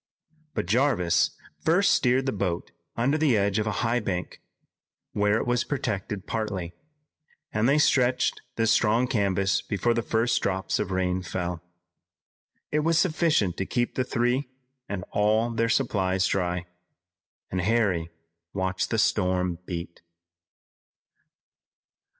But Jarvis first steered the boat under the edge of a high bank, where it was protected partly, and they stretched the strong canvas before the first drops of rain fell. It was sufficient to keep the three and all their supplies dry, and Harry watched the storm beat.